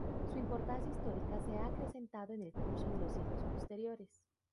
Su importancia histórica se ha acrecentado en el curso de los siglos posteriores.